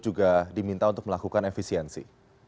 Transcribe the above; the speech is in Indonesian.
juga diminta untuk melakukan efisiensi